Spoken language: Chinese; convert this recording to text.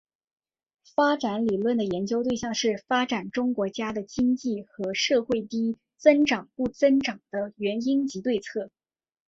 发展理论的研究对象是发展中国家的经济和社会低增长不增长的原因及对策。